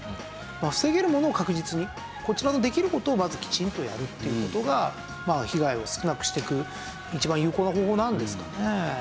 防げるものを確実にこちらのできる事をまずきちんとやるっていう事が被害を少なくしていく一番有効な方法なんですかね。